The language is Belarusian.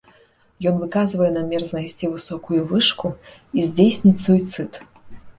Ён выказвае намер знайсці высокую вышку і здзейсніць суіцыд.